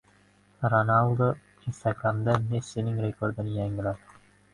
Ronaldu instagramda Messining rekordini yangiladi